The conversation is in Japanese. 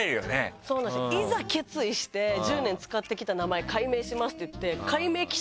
そうなんですよいざ決意して１０年使ってきた名前改名しますって言って。